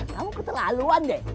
kamu keterlaluan deh